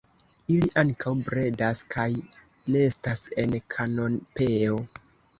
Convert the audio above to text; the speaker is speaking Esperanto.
Ili ankaŭ bredas kaj nestas en kanopeo.